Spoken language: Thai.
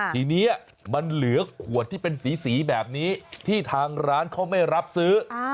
ทีนี้มันเหลือขวดที่เป็นสีแบบนี้ที่ทางร้านเขาไม่รับซื้อ